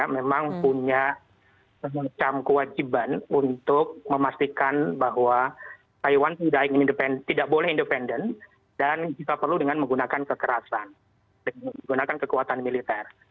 karena memang punya semacam kewajiban untuk memastikan bahwa taiwan tidak boleh independen dan kita perlu dengan menggunakan kekerasan menggunakan kekuatan militer